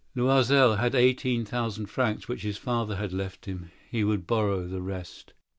Loisel possessed eighteen thousand francs which his father had left him. He would borrow the rest.